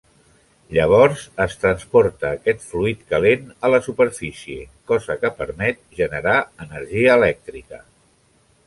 Llavors, es transporta aquest fluid calent a la superfície, cosa que permet generar energia elèctrica.